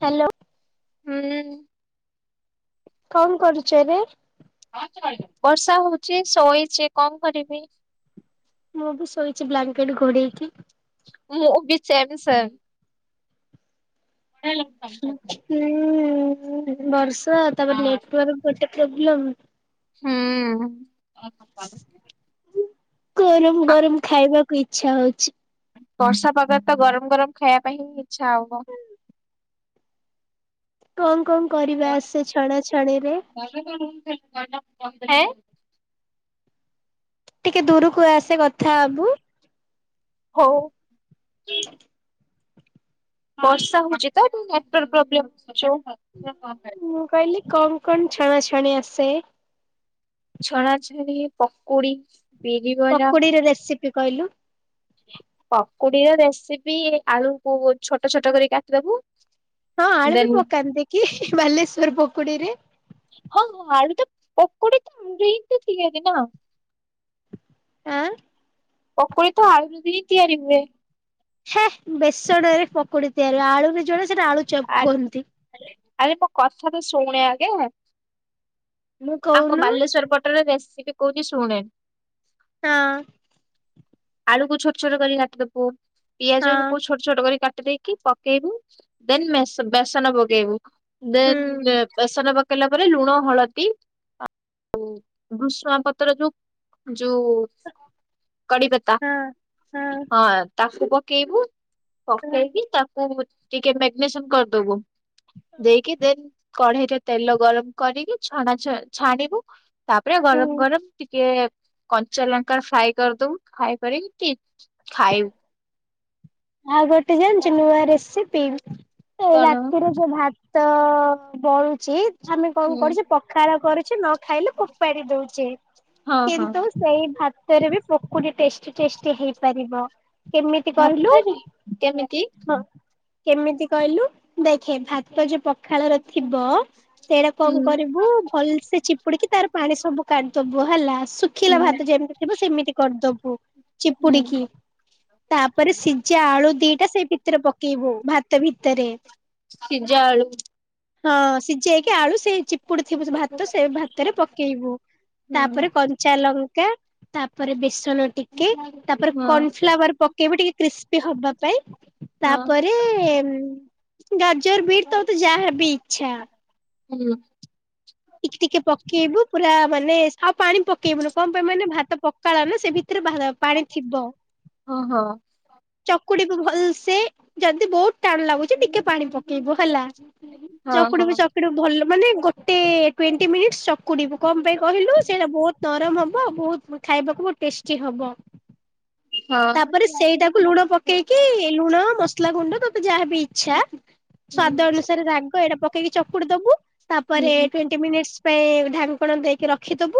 Hello କଁ କରୁଚ ଏବେ? ବର୍ଷା ହଉଚି ଶୋଇଚି କଁ କରିବି ମୁଁ ବି ଶୋଇଚି ବ୍ଲାଙ୍କେଟ୍ ଘୋଡେଇକି ମୁଁ ବି ସେମ୍ ସେମ୍। ହ୍ୟାଲୋ। ହୁଁ ବର୍ଷା ତାପରେ ନେଟ୍ ୱାର୍କ ଗୋଟେ ପ୍ରୋବ୍ଲେମ୍ ହୁଁ ଗରମ ଆ ଗରମ ଖାଇବାକୁ ଇଚ୍ଛା ହଉଚି। ବର୍ଷା ପାଗରେ ତ ଗରମ ଗରମ ଖାୟା ପାଇଁ ହିଁ ଇଚ୍ଛା ହବ। କଁ କଁ କରିବା ଆସେ ଛଣା ଛଣି ରେ? ହେଁ ଟିକେ ଦୂରୁକୁ ଆସେ କଥା ହବୁ। ହଉ। ବର୍ଷା ହଉଚି ତ ନେଟ୍ ୱର୍କ ପ୍ରୋବ୍ଲେମ୍ ଯୋଉ [inaudible] ମୁଁ କହିଲି କଣ କଣ ଛଣାଛଣି ଆସେ? ଛଣାଛଣି ପକୁଡି ବିରି ବରା ପକୁଡିର ରେସିପି କଇଲୁ ପକୁଡିର ରେସିପି ଆଳୁକୁ ଛୋଟ ଛୋଟ କରି କାଟିଦବୁ ହଁ ଆଳୁ ବି ଦେନ୍ ପକାନ୍ତି କି ବାଲେଶ୍ୱର ପକୁଡିରେ? ହଁ ହଁ ଆଳୁ ତ ପକୁଡ଼ି [inaudible] ତ ନା। ଆଁ ପକୁଡି ତ ଆଳୁରୁ ହିଁ ତିଆରି ହୁଏ। ହେ ବେସଣରେ ପକୁଡି ତିଆରି ହୁଏ ଆଳୁରେ ଯୋଉଟା ସେଟା ଆଳୁ ଚପ୍ ଆ କୁହନ୍ତି। ଆରେ ମୋ କଥା ତ ଶୁଣେ ଆଗେ ମୁଁ ଆମ କହୁନୁ ବାଲେଶ୍ଵର ପ ଟର ରେସିପି କହୁଚି ଶୁଣେ। ହଁ। ଆଳୁକୁ ଛୋଟ ଛୋଟ କରି କାଟିଦବୁ। ହଁ। ପିଆଜକୁ ଛୋଟ ଛୋଟ କରି କାଟି ଦେଇକି ପକେଇବୁ ଦେନ୍ ମେସ ବେସନ ପକେଇବୁ ଦେନ୍ ହୁଁ ବେସନ ପକେଇଲା ପରେ ଲୁଣ ହଳଦୀ ଭୃଷୁଙ୍ଗ ପତ୍ର ଯୋଉ ଯୋଉ କଡି ପତା ହଁ ହଁ ହଁ ତାକୁ ପକେଇବୁ ହଁ ପକେଇକି ତାକୁ ଟିକେ ମେଗ୍ନେସିୟମ୍ କରିଦବୁ ଦେଇକି ଦେନ୍ କଢେଇରେ ତେଲ ଗରମ କରିକି ଛଣା ଛ ଛାଣିବୁ ତାପରେ ହୁଁ। ଗରମ ଗରମ ଟିକେ କଞ୍ଚା ଲଙ୍କା ଫ୍ରାଏ କରିଦବୁ ଖାଇପାରିକି କି ଖାଇବୁ ଆଉ ଗୋଟେ ଜାଣିଚୁ ମୁଁ ଓଆରେସ୍ ପିଇବି ଏଇ କଣ ରାତିରେ ଯୋଉ ଭାତ ବଳୁଛି ଆମେ କଣ ହୁଁ କରୁଛେ ପଖାଳ କରୁଚେ ନ ଖାଇଲେ ଫୋପାଡି ଦଉଚେ ହଁ ହଁ କିନ୍ତୁ ଏଇ ଭାତରେ ବି ପକୁଡି ଟେଷ୍ଟି ଟେଷ୍ଟି ହେଇପାରିବ କେମିତି କହିଲୁ ଭାତରେ କେମିତି କେମିତି କହିଲୁ ଦେଖେ ଭାତ ଯୋଉ ପଖାଳର ଥିବ ସେଇଟା ହୁଁ କଣ କରିବୁ ଭଲସେ ଚିପୁଡିକି ତାର ପାଣି ସବୁ କାଢିଦବୁ ହେଲା ଶୁଖିଲା ହୁଁ ଭାତ ଯେମିତି ଥିବ ସେମିତି କରିଦବୁ ହୁଁ ଚିପୁଡିକି ତାପରେ ସି କଞ୍ଚା ଆଳୁ ଦିଟା ସେଇ ଭିତରେ ପକେଇବୁ ଭାତ ଭିତରେ ସିଜା ଆଳୁ ହଁ ସିଝେଇକି ଆଳୁ ସେ ଚିପୁଡିଥିବୁ ଭାତ ସେ ଭାତରେ ପକେଇବୁ ହୁଁ ତାପରେ କଞ୍ଚା ଲଙ୍କା ତାପରେ ବେସନ ଟିକେ ତାପରେ ହଁ କର୍ନଫ୍ଲାୱାର ପ ପକେବୁ ଟିକେ କ୍ରିସ୍ପି ହବା ପାଇଁ ହଁ ତାପରେ ଗାଜର ବିଟ୍ ତତେ ଯାହା ବି ଇଚ୍ଛା ହୁଁ ଟିକେ ଟିକେ ପକେଇବୁ ପୁରା ମାନେ ଆଉ ପାଣି ପକେଇବୁନୁ କଣ ପାଇଁ ମାନେ ଭାତ ପ ପକାଳ ନା ସେ ଭିତରେ ପାଣି ଥିବ ଓ ହଁ ଚକୁଡିବୁ ଭଲସେ ଯଦି ବହୁତ ଟାଣ ଲାଗୁଚି ଟିକେ ପାଣି ପକେଇବୁ ହେଲା ହଁ ହଁ ଚକୁଡ଼ିବୁ ଚକୁଡ଼ିବୁ ଭଲ ମାନେ ଗୋଟେ ଟ୍ୱେଣ୍ଟି ମିନିଟ୍ସ ଚକୁଡ଼ିବୁ କଣ ପାଇଁ କହିଲୁ ସେଇଟା ବହୁତ ନରମ ହବ ଆଉ ବହୁତୁ ଖାଇବାକୁ ଟେଷ୍ଟି ହବ ହଁ ତାପରେ ସେଇଟା ସେଗୁଡ଼ା ପକେଇକି ଲୁଣ ମସଲା ଗୁଣ୍ଡ ତତେ ଯାହାବି ଇଚ୍ଛା ହୁଁ ସ୍ଵାଦ ଅନୁସାରେ ରାଗ ଏଇଟା ପକେଇକି ଚକୁଡି ଦବୁ ତାପରେ ହୁଁ ଫେ ଇମିନେଷ୍ଟ ପାଇଁ ଢାଙ୍କଣା ଦେଇକି ରଖିଦବୁ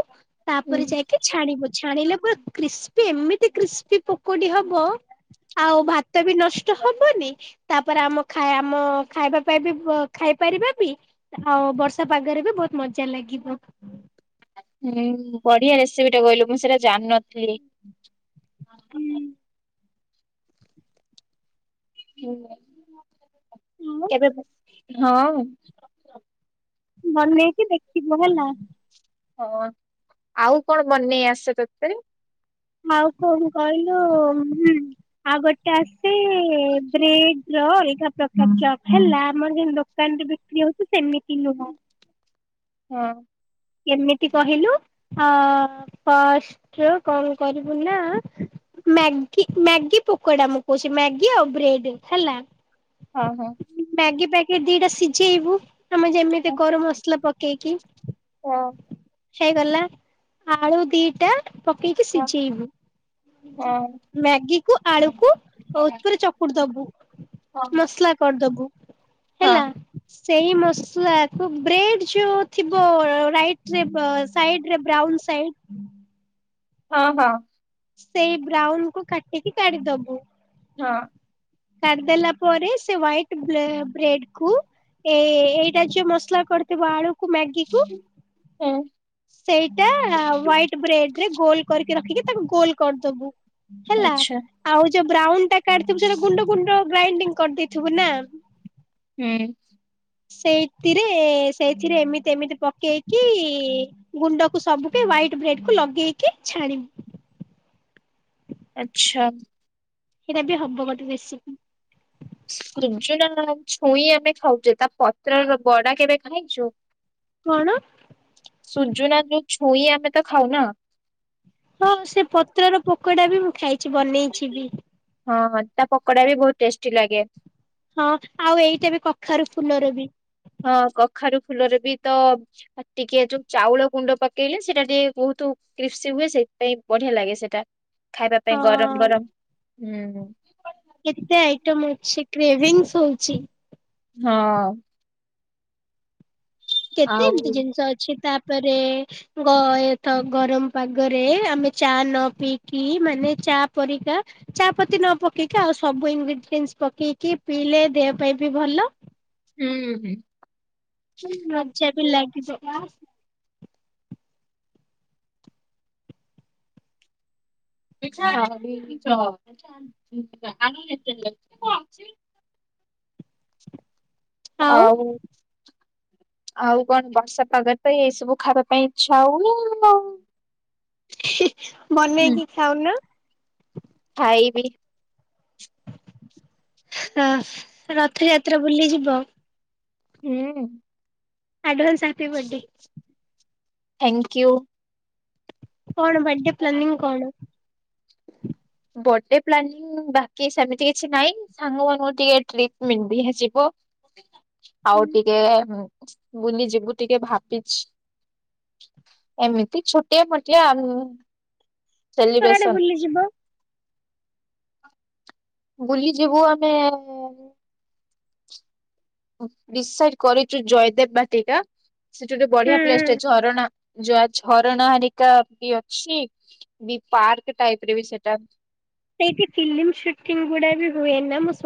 ହୁଁ ତାପରେ ଯାଇକି ଛାଣିବୁ ଛାଣିଲେ ପୁ କ୍ରିସ୍ପି ଏମିତି କ୍ରିସ୍ପି ପକୋଡି ହବ ଆଉ ଭାତ ବି ନଷ୍ଟ ହବନି ତାପରେ ଆମା ଖା ଆମ ଖାଇବା ପାଇଁ ବି ଖାଇପାରିବା ବି ଆଉ ବର୍ଷା ପାଗରେ ବି ବହୁତ ମଜା ଲାଗିବ ହୁଁ ବଢିଆ ରେସିପି ଟା କହିଲୁ ମୁଁ ସେଇଟା ଜାଣିନଥିଲି ମନ ହୁଁ ପଢିଲେ ହୁଁ ଆଉ କେବେ ହଁ ବନେଇକି ଦେଖିବ ହେଲା ହଁ ଆଉ କଣ ବନେଇ ଆସେ ତତେ ଆଉ କଣ କହିଲୁ ହୁଁ ଆଉ ଗୋଟେ ଆସେ ଏ ବ୍ରେଡ୍ ର ଅଲଗା ପ୍ରକାର ଚପ୍ ହେଲା ଆମର ଯେ ଦୋ କାନ ରେ ବିକ୍ରି ହଉଛି ସେମିତି ନୁହଁ ହଁ କେମିତି କହିଲୁ ଆଁ ଫାଷ୍ଟ ରୁ କଣ କରିବୁ ନା ମାଗି ମ୍ୟାଗି ପକୋଡା ମୁଁ କହୁଛି ମ୍ୟାଗି ଆଉ ବ୍ରେଡ୍ ହେଲା ହଁ ହଁ ମ୍ୟାଗି ପ୍ୟାକେଟ ଦିଟା ସିଝେଇବୁ ଆମେ ଯେମିତି କରୁ ମସଲା ପକେଇକି ହଁ। ହେଇଗଲା ଆଳୁ ଦିଟା ପକେଇକି ହଁ ସିଝେଇବୁ। ହଁ ମ୍ୟାଗି କୁ ଆଳୁକୁ ଉପରେ ଚକୁଟୁ ଦବୁ। ହଁ ମସଲା କରିଦବୁ ହେଲା। ସେଇ ମସଲା କୁ ବ୍ରେଡ ଯୋଉ ଥିବ ଅ ରାଇଟ ରେ ସାଇଡ ରେ ବ୍ରାଉନ୍ ସାଇଡ ହଁ ହଁ। ସେଇ ବ୍ରାଉନ କୁ କାଟିକି କାଢିଦବୁ। ହଁ। କାଡି ଦେଲା ପରେ ସେ ହ୍ଵାଇଟ ବ୍ରେଡ କୁ ଏ ଏଇ ଏଇଟା ଯୋଉ ମସଲା କରିଥିବ ଆଳୁକୁ ମ୍ୟାଗି କୁ ହୁଁ। ସେଇଟା ହ୍ବାଇଟ ବ୍ରେଡ ରେ ଗୋଲ କରିକି ରଖିକି ତାକୁ ଗୋଲ କରିଦବୁ। ହେଲା ଆଚ୍ଛା ଆଉ ଯୋଉ ବ୍ରାଉନ ଟା କାଢିଥିବୁ ସେଟା ଗୁଣ୍ଡ ଗୁଣ୍ଡ ଗ୍ରାଇଣ୍ଡିଙ୍ଗ କରିଦେଇଥିବୁ ନା। ହୁଁ। ସେଇଥିରେ ଏ ସେଇଥିରେ ଏମିତି ଏମିତି ପକେଇକି ଇ ଇ ଗୁଣ୍ଡକୁ ସବୁକେ ହ୍ଇଟ୍ ବ୍ରେଡ କୁ ଲଗେଇକି ଛାଣିବୁ। ଆଛା। ସେଇଟା ବି ହବ ଗୋଟେ ରେସିପି। ସୁଜୁନା ଛୁଇଁ ଆମେ ଖାଉଛେ ତା ପତ୍ର ବଡା କେବେ ଖାଇଛୁ। କଣ? ସୁୂଜୁ ନା ଯୋଉ ଛୁଇ ଆମେ ତ ଖାଉନା। ହଁ ସେ ପତ୍ରର ପକୋଡା ବି ମୁଁ ଖାଇଛି ବନେଇଛି ବି। ହଁ ହଁ ତା ପକୋଡା ବି ବହୁତ ଟେଷ୍ଟି ଲାଗେ। ହଁ ଆଉ ଏଇଟ ଏ ବି କଖାରୁ ଫୁଲର ବି। ହଁ କଖାରୁ ଫୁଲରେ ବି ତ ଆଉ ଟିକେ ଯୋଉ ଚାଉଳ ଗୁଣ୍ଡ ପକେଇଲେ ସେଇଟା ଟିକେ ବହୁତ କ୍ରିସପି ହୁଏ ସେଇଥିପାଇଁ ବଢିଆ ଲାଗେ ସେଟା ଖାଇବା ପାଇଁ ହଁ। ଗରମ ଗରମ ହୁଁ। କେତେ ଆଇଟମ ଅଛି କ୍ରେଭିଭିଙ୍ଗ ହଉଛି। ହଁ। କେତେ ଆଉ ଏମିତି ଜିନିଷ ଅଛି ତାପରେ। ଗରମ ପାଗରେ ଆମେ ଚା ନ ପିଇକି ମାନେ ଚା ପରିକା ଚା ପତି ନ ପକେଇକି ଆଉ ସବୁ ଇନଗ୍ରିଡିଏଣ୍ଟ ପକେଇକି ପିଇଲେ ଦେହ ପାଇଁ ବି ଭଲ। ହୁଁ ହୁଁ। ହଁ ମଜ୍ଜା ବିି ଲାଗିବ। ଆ ଲ ଆଛି [unintelligible] ଆଉ। ଆଉ କଣ ବର୍ଷା ପାଗ ତ ଏଇ ସବୁ ଖାଇବା ପାଇଁ ଇଚ୍ଛା ହୁଏ ଆଉ। ହୁଁ। ବନେଇକି ଖାଉନ। ଖାଇବି। ଅ ରଥଯାତ୍ରା ବୁଲି ଯିବ। ହୁଁ। Advance happy birthday. ଥ୍ୟାଙ୍କୟୁ। କଣ ବାର୍ଥଡେ ପ୍ଲାନିଂ କଣ? ବର୍ଥଡେ ପ୍ଲାନିଂ ବାକି ସେମିତି କିଛି ନାହିଁ। ସାଙ୍ଗ ମାନଙ୍କୁ ଟିକେ [unintelligible] ଆଉ ଟିକେ ବୁଲି ଯିବୁ ଟିକେ ଭାବିଛି। ଏମିତି ଛୁଟିଆ ମୋଟିଆ କୁଆଡେ ସେଲିବ୍ରେସନ। ବୁଲିଯିବ ବୁଲି ଯିବୁ ଆମେ। ଡିସାଇଡ୍ କରିଛୁ ଜୟଦେବ ବାଟିକା ସେଠି ଗୋଟେ ହୁଁ ବଢିଆ ପ୍ଲେସ୍ ହୁଁ ଟେ ଅଛି ଅରଣା ଯହା ଝରଣା ହାରିକା ବି ଅଛି ବି ପାର୍କ ଟାଇପ୍ ରେ ବି ସେଇଟା। ସେଇଠି ଫିଲ୍ମ ସୁଟିଂ ଗୁଡା ବି ହୁଏ ନା ମୁ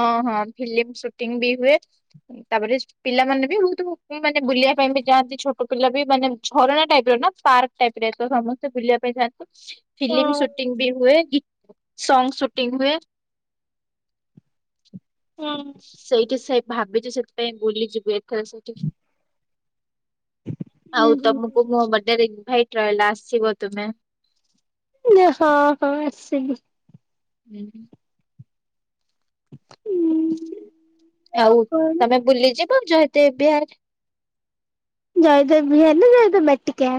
ହଁ ହଁ ଫିଲିମ୍ ସୁଟିଂ ବି ହୁଏ। ତାପରେ ପିଲାମାନେ ବି ବୋହୁତ୍ ମାନେ ବୁଲିବା ପାଇଁ ବି ଯାଆନ୍ତି ଛୋଟ ପିଲା ବି ମାନେ ଝରଣା ଟାଇପ୍ ର ନା ପାର୍କ ଟାଇପ୍ ର ଏକ ସମସ୍ତେ ବୁଲିବା ପାଇଁ ଯଆନ୍ତି। ହଁ ଫିଲିମ୍ ସୁଟିଂ ବି ହୁଏ ସଙ୍ଗ ସୁଟିଂ ହୁଏ। ହଁ। ସେଇଠି ସେଇ ଭାବିଛି ସେଥିପାଇଁ ବୁଲିଯିବୁ ଏଥର ସେଇଠି ହୁଁ ଆଉ ହୁଁ। ତମକୁ ମୋ ବର୍ଡେରେ ଇନଭାଇଟ ରହିଲା ଆସିବ ତୁମେ। ହଁ ହଁ ଆସିବି। ହୁଁ। ଆଉ ତମେ ବୁଲିଯିବ ଜୟତେ ବିହାର। ଜୟଦେବ ବିହାର ନା ଜୟଦେବ ବାଟିକା?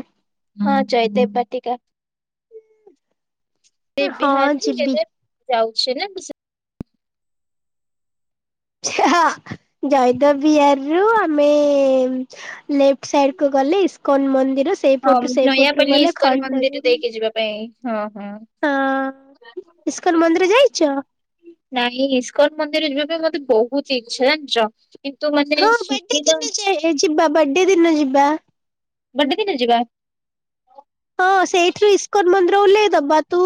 ହଁ ଜୟଦେବ ବାଟିକା। ହଁ ଯିବି। [unintelligible] ହଁ ଜୟଦବିହାରରୂ ଆମେ ଲେଫ୍ଟ ସାଇଡ୍ କୁ ଗଲେ ଇସ୍କନ ମନ୍ଦିର ହଁ ସେଇପଟୁ ସେଇପଟରୁ ନୟାପଲ୍ଲୀ ଗଲେ ଇସ୍କନ ମନ୍ଦିର ଯୋଉ ଖଣ୍ଡଗିରି ଦେଇକି ଯିବା ପାଇଁ, ହଁ ହଁ। ଇସ୍କଲ ମନ୍ଦିର ଯାଇଛ? ନାଇଁ ଇସ୍କନ ମନ୍ଦିର ଯିବା ପାଇଁ ମତେ ବୋହୁତ୍ ଇଛା ଜାଣିଛ। କିନ୍ତୁ ମାନେ ଶୁବିଦା ଏ ଯିବା ବର୍ଥଡେ ଦିନ ଯିବା। ବଡେ ଦିନ ଯିବା। ହଁ ସେଇଠୁ ଇସ୍କନ ମନ୍ଦିର ଓହ୍ଲାଇଦବା ତୁ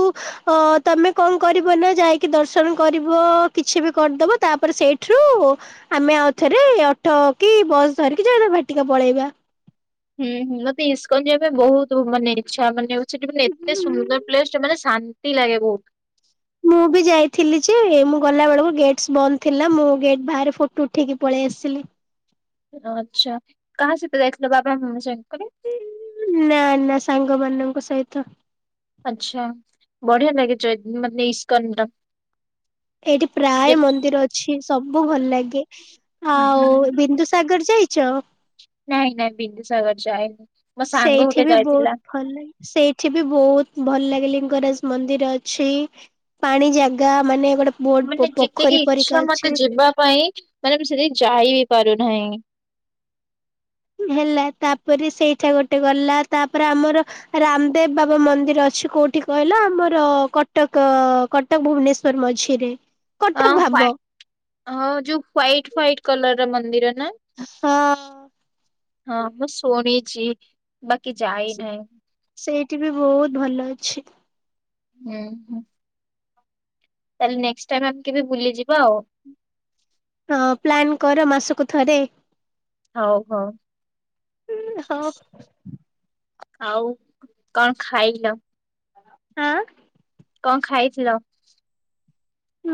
ତମେ କଣ କରିବ ନା ଯାଇ କି ଦର୍ଶନ କରିବ କିଛି ବି କରିଦବ ତାପରେ ସେଇଠୁ ଆମେ ଆଉଥରେ ଅଟୋ କି ବସ୍ ଧରିକି ଜୟଦେବ ଭାଟିକା ପଳେଇବା। ହୁଁ ହୁ ମତେ ଇସ୍କନ ଯିବା ପାଇଁ ବୋହୁତ୍ ମାନେ ଇଚ୍ଛା ମାନେ ସେଠି ମାନେ ଏତେ ସୁନ୍ଦର ପ୍ଲେସ୍ ଟେ ମାନେ ଶାନ୍ତି ଲାଗେ ବୋହୁତ୍। ମୁଁ ବି ଯାଇଥିଲି ଯେ ମୁଁ ଗଲାବେଳକୁ ଗେଟ୍ ବନ୍ଦ ଥିଲା। ମୁଁ ଗେଟ୍ ବାହାରେ ଫଟୋ ଉଠେଇକି ପଳେଇ ଆସିଲି। ଆଚ୍ଛା। କାହା ସହିତ ଯାଇଥିଲ ବାପା ମାମା ସାଙ୍ଗରେ? ଉଁ ନା ନା ସାଙ୍ଗ ମାନଙ୍କ ସହିତ। ଆଚ୍ଛା। ବଢିଆ ଲାଗେ ଯ-ମାନେ ଇସ୍କନ ଟା। ଏଇଠି ପ୍ରାୟ ମନ୍ଦିର ଅଛି, ସବୁ ଭଲ ଲାଗେ। ଆଉ ଯେ ବିନ୍ଦୁ ସାଗର ଯାଇଛ? ନାଇଁ ନାଇଁ ବିନ୍ଦୁସାଗର ଯାଇନି। ମୋ ସାଙ୍ଗ ସେଇଠି ଗୋଟେ ବି ବୋହୁତ୍ ଯାଇଥିଲା। ଭଲ ଲାଗେ। ସେଇଠି ବି ବୋହୁତ୍ ଭଲ ଲାଗେ ଲିଙ୍ଗରାଜ ମନ୍ଦିର ଅଛି। ପାଣି ଜାଗା ମାନେ ଗୋଟେ ବୋଟ ମାନେ ଯେତିକି ପୋଖରୀ ପରିକା ଇଚ୍ଛା ଅଛି। ମତେ ଯିବା ପାଇଁ, ମାନେ ମୁଁ ସେତିକି ଯାଇ ବିି ପାରୁନ୍ହାଇଁ। ହେଲା ତାପରେ ସେଇଟା ଗୋଟେ ଗଲା ତାପରେ ଆମର ରାମଦେବ ବାବା ମନ୍ଦିର ଅଛି କୋଉଠି କଇଲ? ଆମର କଟକ କଟ ତ,, ଭୁବୁନେଶ୍ୱର ମଝିରେ। ଓ କଟକ ଭାବ ହ୍ୱାଇଟ ହଁ ଯୋଉ ହ୍ୱାଇଟ ହ୍ଵାଇଟ କଲର୍ ର ମନ୍ଦିର ନା? ହଁଅଁ। ହଁ ମୁଁ ଶୁଣିଛି ବାକି ଯାଇ ନାହିଁ। ସେଇଟି ବି ବୋହୁତ ଭଲ ଅଛି। ହୁଁ ହୁଁ। ତାହେଲେ ନେକ୍ସଟ ଟାଇମ୍ ଏମ୍ତି ବି ବୁଲିଯିବା ଆଉ। ହଁ ପ୍ଲାନ୍ କର ମାସୁକୁ ଥରେ। ହୋଉ ହୋଉ। ଉଁ ହୋ। [inaudible] ଆଉ କଣ ଖାଇଲ? ଆଁ କଁ ଖାଇଥିଲ?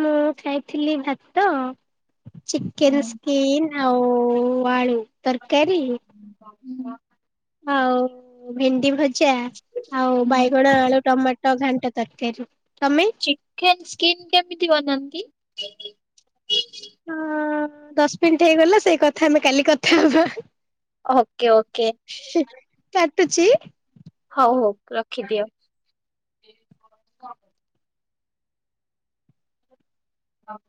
ମୁଁ ଖାଇଥିଲି ଭାତ ଚିକେନ ସ୍କିନ୍ ଆଉ ଆଳୁ ତର୍କାରୀ। ଉଁ [inaudible] ଆଉ ଭେଣ୍ଡି ଭଜା ଆଉ ବାଇଗଣ, ଆଳୁ, ଟମା ଟ ଘାଣ୍ଟ ତର୍କାରୀ। ତମେ? ଚିକେନ୍ ସ୍କିନ୍ କେମିତି ବନାନ୍ତି? ହଁ- ଦଶ୍ ମିନ୍ଟି ହେଇଗଲା ସେଇ କଥା ଆମେ କାଲି କଥା ହବା। Okay okay. ହିଁଇ କାଟୁଚି? ହୋଉ ହୋଉ ରଖିଦିଅ। [inaudible] ହଉ।